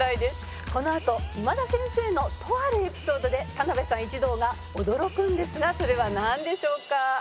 「このあと今田先生のとあるエピソードで田辺さん一同が驚くんですがそれはなんでしょうか？」